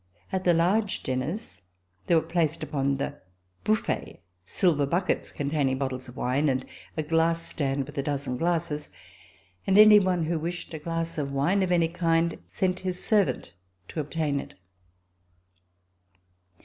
At the large dinners, there were placed upon the buffet silver buckets containing bottles of wine and a glass stand with a dozen glasses, and any one who wished a glass of wine of any kind sent his servant to obtain it.